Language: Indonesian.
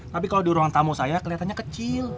tapi kalau di ruang tamu saya keliatannya kecil